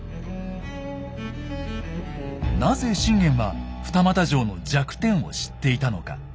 なぜ信玄は二俣城の弱点を知っていたのか。